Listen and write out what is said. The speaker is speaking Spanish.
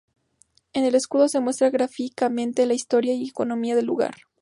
En el escudo se muestra gráficamente la historia y economía del lugar.